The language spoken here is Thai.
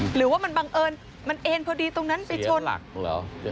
หรือว่ามันบังเอิญมันเอ็นพอดีตรงนั้นไปชนหลักเหรอ